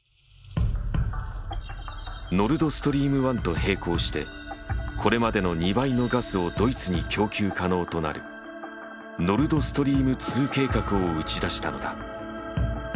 ノルドストリーム１と並行してこれまでの２倍のガスをドイツに供給可能となるノルドストリーム２計画を打ち出したのだ。